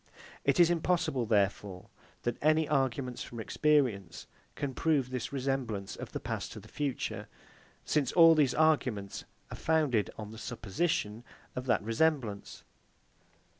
It is impossible, therefore, that any arguments from experience can prove this resemblance of the past to the future; since all these arguments are founded on the supposition of that resemblance.